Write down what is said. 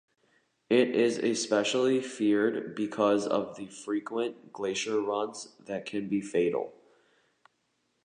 It is especially feared because of the frequent glacier runs that can be fatal.